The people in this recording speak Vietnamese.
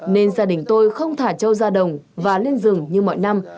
nên gia đình tôi không thả châu ra đồng và lên rừng như mọi năm